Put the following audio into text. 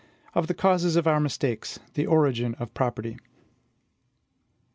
Of the Causes of our Mistakes. The Origin of Property.